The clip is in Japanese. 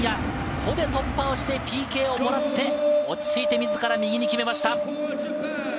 個で突破をしてＰＫを取って、落ち着いて自ら決めました。